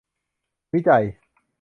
วิจัย